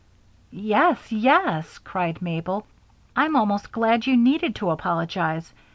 "Yes, yes!" cried Mabel. "I'm almost glad you needed to apologize.